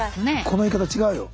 この言い方違うよ。